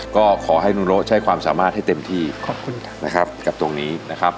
ก็ขอให้นุโรใช้ความสามารถให้เต็มที่ขอบคุณนะครับกับตรงนี้นะครับ